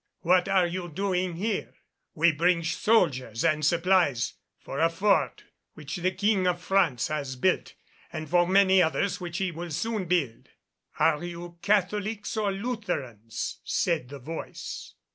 "'What are you doing here?' "'We bring soldiers and supplies for a fort which the King of France has built and for many others which he will soon build.' "'Are you Catholics or Lutherans?' said the voice.